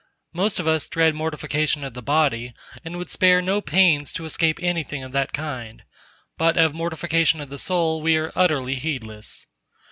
Most of us dread mortification of the body, and would spare no pains to escape anything of that kind. But of mortification of the soul we are utterly heedless.